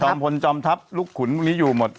จอมทัพจอมทัพลูกขุนกันนี้อยู่หมด